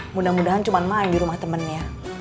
mudah mudahan cuma main di rumah temennya